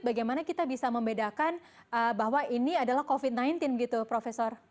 bagaimana kita bisa membedakan bahwa ini adalah covid sembilan belas gitu profesor